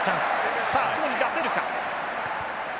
さあすぐに出せるか。